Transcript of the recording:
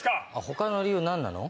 他の理由何なの？